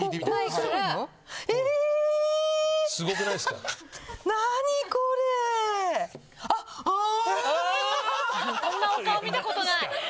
こんなお顔見たことない。